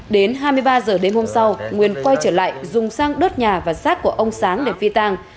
đến hai mươi ba h đêm hôm sau nguyên quay trở lại dùng sang đốt nhà và sát của ông sáng để phi tàng